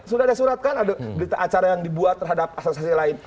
sudah ada surat kan ada acara yang dibuat terhadap asasasi lain